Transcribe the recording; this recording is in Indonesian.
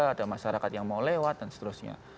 ada masyarakat yang mau lewat dan seterusnya